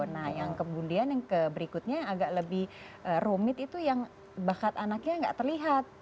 nah yang kemudian yang berikutnya yang agak lebih rumit itu yang bakat anaknya nggak terlihat